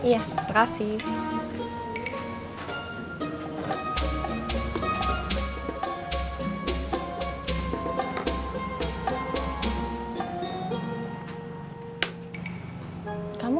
iya terima kasih